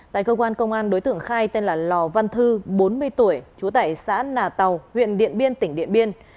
tại cơ quan công an đối tượng khai tên là lò văn thư bốn mươi tuổi chú tại xã nà tàu huyện điện biên tỉnh điện biên